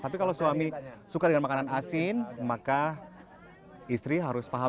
tapi kalau suami suka dengan makanan asin maka istri harus paham